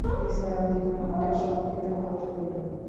নিসার আলি খানিকটা শঙ্কিত বোধ করলেন।